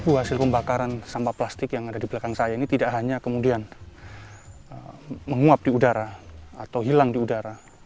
hasil pembakaran sampah plastik yang ada di belakang saya ini tidak hanya kemudian menguap di udara atau hilang di udara